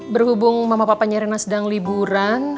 berhubung mama papanya rena sedang liburan